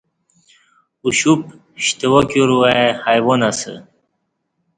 اُوشپ شتوا کیور وائی حیوان اسہ